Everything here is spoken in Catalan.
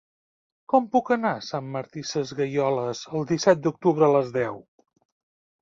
Com puc anar a Sant Martí Sesgueioles el disset d'octubre a les deu?